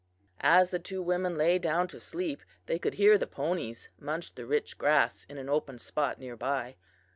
"As the two women lay down to sleep they could hear the ponies munch the rich grass in an open spot near by.